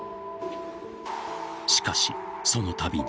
しかし、その度に。